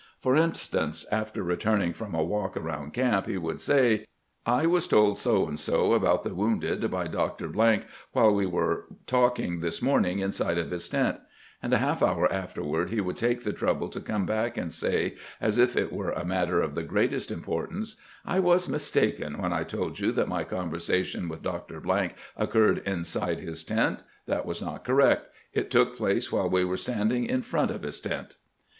For instance, after returning from a walk around REMINISCENCES OF GRANT'S CADET LIFE 341 camp lie would say: 'I was told so and so about the wounded by Dr. while we were talking this morn ing inside of his tent '; and a half hour afterward he would take the trouble to come back and say, as if it were a matter of the greatest importance :' I was mistaken when I told you that my conversation with Dr. occurred inside his tent ; that was not correct : it took plape while we were standing in front of his tent.'"